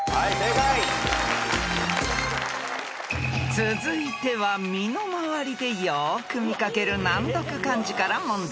［続いては身の回りでよく見掛ける難読漢字から問題］